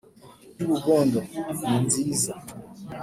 y’ubugondo. ni nziza